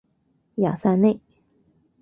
雅塞内。